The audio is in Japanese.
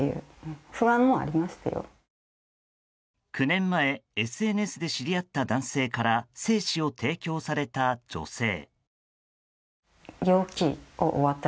９年前、ＳＮＳで知り合った男性から精子を提供された女性。